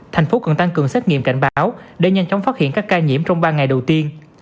thành phố cần tăng cường xét nghiệm cảnh báo để nhanh chóng phát hiện các ca nhiễm trong ba ngày đầu tiên